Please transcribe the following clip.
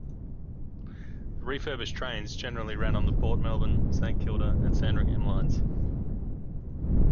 The refurbished trains generally ran on the Port Melbourne, Saint Kilda and Sandringham lines.